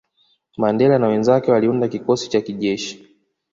Mandela na wenzake waliunda kikosi cha kijeshi